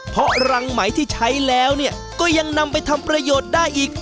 เพราะรังไหมที่ใช้แล้วก็ยังนำไปทำประโยชน์ได้อีก